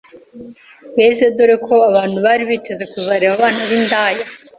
beza doreko abantu bari biteze kuzareba abana b’indaya